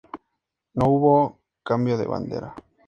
No hubo cambio de bandera.